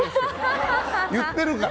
言ってるから！